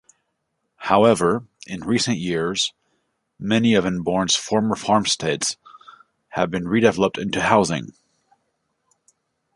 However, in recent years, many of Enborne's former farmsteads have been redeveloped into housing.